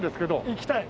行きたい。